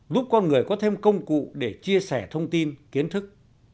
giúp con người có thêm công cụ để chia sẻ thông tin kiến thức